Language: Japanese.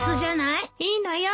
いいのよ